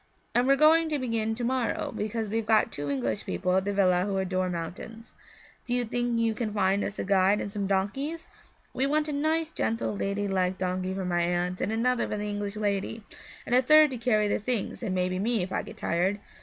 And we're going to begin to morrow because we've got two English people at the villa who adore mountains. Do you think you can find us a guide and some donkeys? We want a nice, gentle, lady like donkey for my aunt, and another for the English lady, and a third to carry the things and maybe me, if I get tired.